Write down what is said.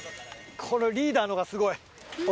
このリーダーのがすごい。